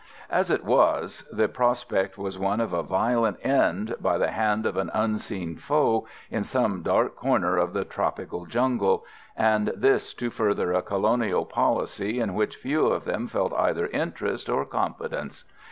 As it was, the prospect was one of a violent end, by the hand of an unseen foe, in some dark corner of the tropical jungle, and this to further a colonial policy in which few of them felt either interest or confidence.